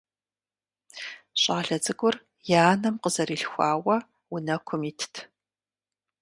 ЩӀалэ цӀыкӀур и анэм къызэрилъхуауэ унэкум итт.